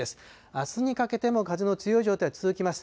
あすにかけても風の強い状態が続きます。